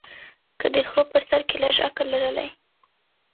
که دې خرو په سر کي لږ عقل لرلای